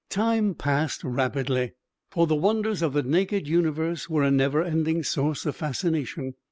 Time passed rapidly, for the wonders of the naked universe were a never ending source of fascination.